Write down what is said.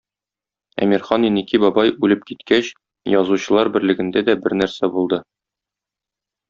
Әмирхан Еники бабай үлеп киткәч, Язучылар берлегендә дә бер нәрсә булды.